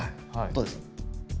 どうです？